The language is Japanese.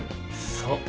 そう。